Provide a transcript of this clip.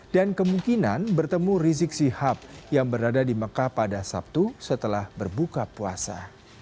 dan kemungkinan bertemu rizik sihab yang berada di mekah pada sabtu setelah berbuka puasa